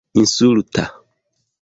insulta